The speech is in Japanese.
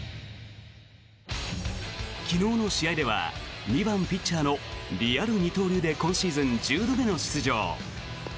昨日の試合では２番ピッチャーのリアル二刀流で今シーズン１０度目の出場。